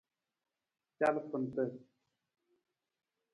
Calafanta.